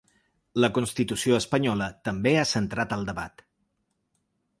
La constitució espanyola també ha centrat el debat.